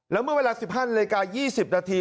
แล้วเมื่อเวลาสิบห้านเลยกายี่สิบนาที